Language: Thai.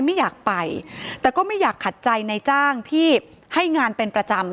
ไม่อยากไปแต่ก็ไม่อยากขัดใจในจ้างที่ให้งานเป็นประจำ